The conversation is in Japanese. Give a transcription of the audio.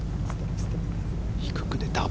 低く出た。